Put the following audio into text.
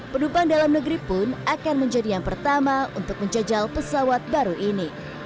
penumpang dalam negeri pun akan menjadi yang pertama untuk menjejal pesawat baru ini